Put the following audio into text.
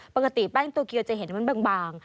ปกติแป้งโตเกียวจะเห็นมันบาง